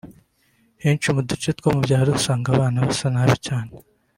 Henshi mu duce two mu byaro usanga abana basa nabi cyane